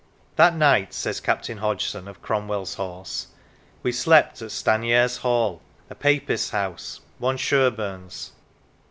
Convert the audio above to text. " That night," says Captain Hodgson of Cromwell's Horse, "we slept at Stanyares Hall, a Papist's house, one Sherburn's."